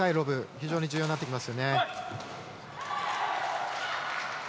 非常に重要になってきます。